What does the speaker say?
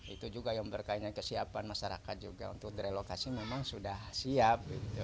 itu juga yang berkaitan dengan kesiapan masyarakat juga untuk direlokasi memang sudah siap